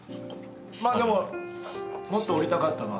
まあでももっとおりたかったのは。